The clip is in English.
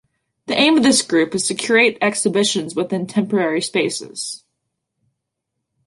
The aim of this group is to curate exhibitions within temporary spaces.